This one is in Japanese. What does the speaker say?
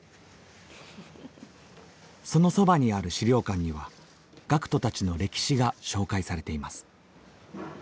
そのそばにある資料館には学徒たちの歴史が紹介されています。